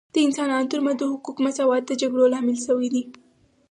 د انسانانو ترمنځ د حقوقو مساوات د جګړو لامل سوی دی